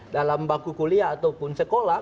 dalam baku kuliah ataupun sekolah